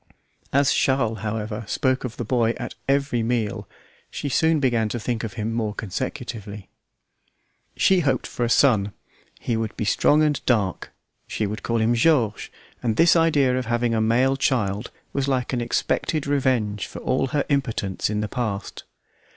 As Charles, however, spoke of the boy at every meal, she soon began to think of him more consecutively. She hoped for a son; he would be strong and dark; she would call him George; and this idea of having a male child was like an expected revenge for all her impotence in the past.